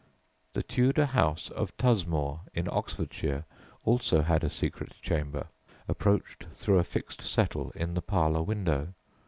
The Tudor house of Tusmore, in Oxfordshire, also had a secret chamber, approached through a fixed settle in "the parlour" window.